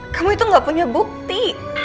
kamu itu gak punya bukti